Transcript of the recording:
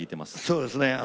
そうですね。